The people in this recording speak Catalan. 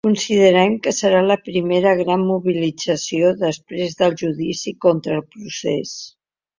Consideren que serà la primera gran mobilització després del judici contra el procés.